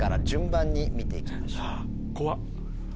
怖っ。